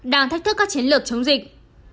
đang thách thức các chiến lược chống dịch